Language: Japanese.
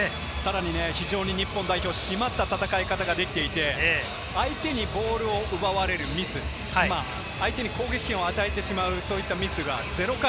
非常に日本代表は、しまった戦い方ができていて、相手にボールを奪われるミス、相手に攻撃権を与えてしまうミスが０回。